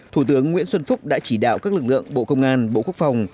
thủ tướng nguyễn xuân phúc đã chỉ đạo các lực lượng bộ công an bộ quốc phòng